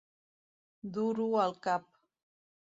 Dur-ho al cap.